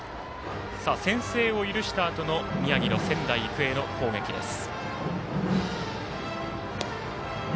先制を許したあとの宮城の仙台育英の攻撃です。